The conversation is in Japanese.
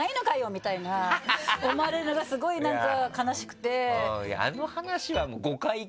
みたいな思われるのがスゴいなんか悲しくて。